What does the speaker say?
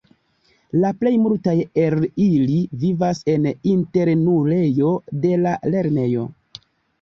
La plej multaj el ili vivas en internulejo de la lernejo.